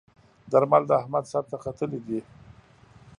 درمل د احمد سر ته ختلي ديی.